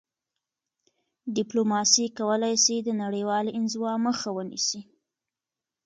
ډیپلوماسي کولای سي د نړیوالي انزوا مخه ونیسي..